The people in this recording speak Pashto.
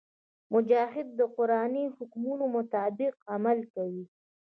مجاهد د قرآني حکمونو مطابق عمل کوي.